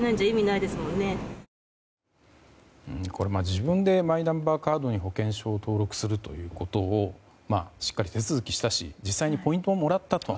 自分でマイナンバーカードに保険証を登録するということをしっかり手続きしたし実際にポイントをもらったと。